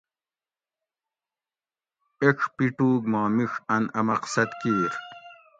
ایڄ پِیٹوگ ما مِیڄ ان ا مقصد کیر